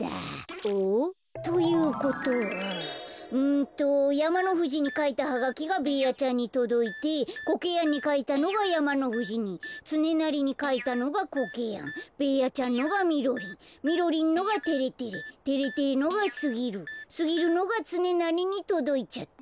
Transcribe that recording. おっ？ということはんとやまのふじにかいたハガキがベーヤちゃんにとどいてコケヤンにかいたのがやまのふじにつねなりにかいたのがコケヤンベーヤちゃんのがみろりんみろりんのがてれてれてれてれのがすぎるすぎるのがつねなりにとどいちゃった。